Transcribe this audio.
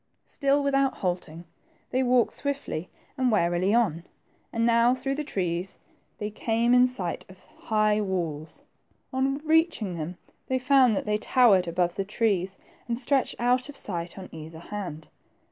Still, without halting, they walked swiftly and warily on, and now through the trees they came in THE TWO PEINGES. 93 sight of high walls. On reaching them, they found that they towered above the trees and stretched out of sight on either hand.